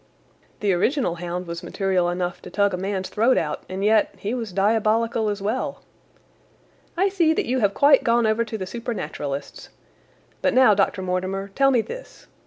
"The original hound was material enough to tug a man's throat out, and yet he was diabolical as well." "I see that you have quite gone over to the supernaturalists. But now, Dr. Mortimer, tell me this.